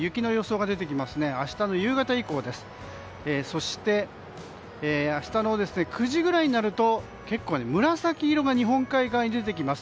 そして明日の９時ぐらいになると結構、紫色が日本海側に出てきます。